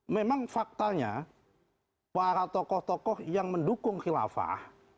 memang faktanya para tokoh tokoh yang mendukung khilafah